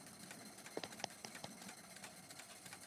深灰槭为无患子科槭属的植物。